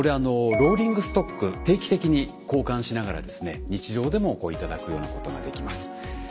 ローリングストック定期的に交換しながら日常でも頂くようなことができます。